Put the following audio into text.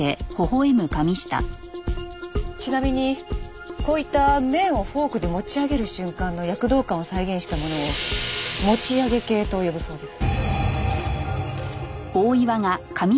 ちなみにこういった麺をフォークで持ち上げる瞬間の躍動感を再現したものを「持ち上げ系」と呼ぶそうです。